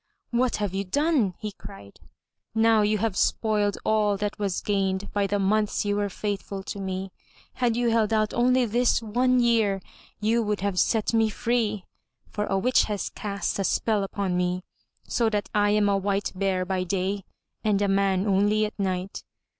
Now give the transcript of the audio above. What have you done?'* he cried. "Now you have spoiled all that was gained by the months you were faithful to me. Had you held out only this one year, you would have set me free. For a witch has cast a spell upon me, so that I am a White Bear by day and a m.an only at night.